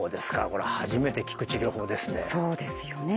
これは初めて聞く治療法ですね。